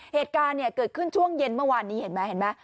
เหตุการณ์เนี่ยเกิดขึ้นช่วงเย็นเมื่อวานนี้เห็นไหมเห็นไหม